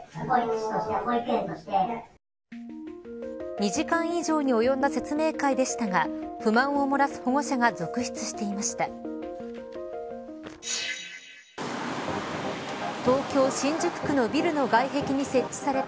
２時間以上に及んだ説明会でしたが不満を漏らす保護者が続出していました。